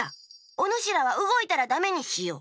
おぬしらはうごいたらダメにしよう。